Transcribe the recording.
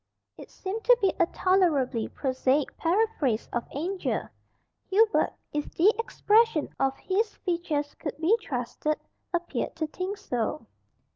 It seemed to be a tolerably prosaic paraphrase of "Angel." Hubert, if the expression of his features could be trusted, appeared to think so.